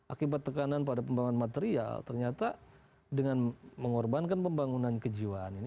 akibat tekanan pada pembangunan material ternyata dengan mengorbankan pembangunan kejiwaan ini